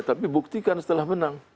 tapi buktikan setelah menang